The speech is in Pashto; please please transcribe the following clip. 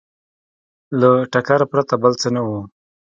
له ټکر پرته بل څه نه وو